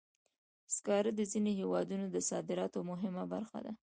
سکاره د ځینو هېوادونو د صادراتو مهمه برخه ده.